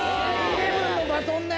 １１のバトンね。